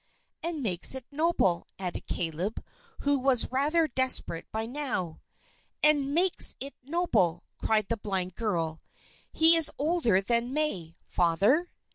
"And makes it noble," added Caleb, who was rather desperate by now. "And makes it noble!" cried the blind girl. "He is older than May, Father?"